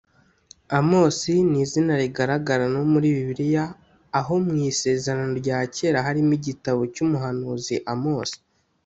Amos ni izina rigaragara no muri Bibiliya aho mu isezerano rya Kera harimo “Igitabo cy’Umuhanuzi Amos”